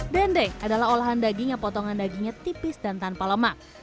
dendeng adalah olahan daging yang potongan dagingnya tipis dan tanpa lemak